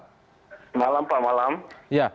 selamat malam pak